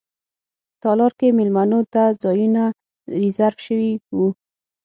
تالار کې میلمنو ته ځایونه ریزرف شوي وو.